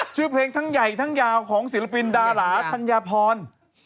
ชื่อเพลงทั้งใหญ่ทั้งยาวของศิลปินดาราธัญพร